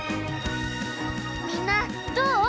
みんなどう？